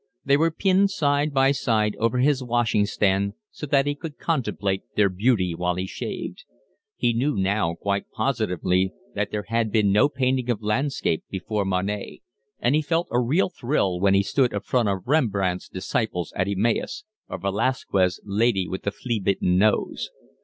They were pinned side by side over his washing stand so that he could contemplate their beauty while he shaved. He knew now quite positively that there had been no painting of landscape before Monet; and he felt a real thrill when he stood in front of Rembrandt's Disciples at Emmaus or Velasquez' Lady with the Flea bitten Nose.